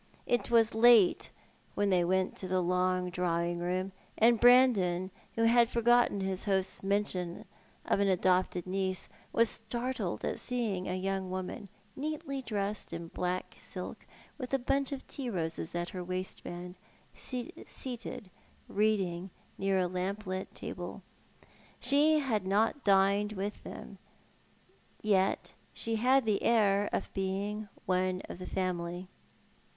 It was late when they went to the long drawing room, and Brandon, who had forgotten his host's mention of an adopted niece, was startled at seeing a young woman, neatly dressed in black silk, with a bunch of tea roses at her waistband, seated reading near a lamp lit table. She had not dined with them, yet she had the air of being one of the family.